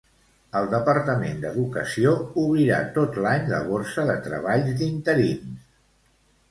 El Departament d'Educació obrirà tot l'any la borsa de treball d'interins.